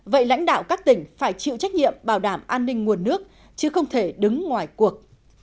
vậy lãnh đạo các tỉnh phải chịu trách nhiệm bảo đảm an ninh nguồn nước chứ không thể đứng ngoài cuộc